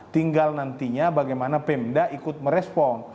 tinggal nantinya bagaimana pemda ikut merespon